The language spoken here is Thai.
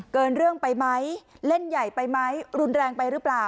เกินเรื่องไปไหมเล่นใหญ่ไปไหมรุนแรงไปหรือเปล่า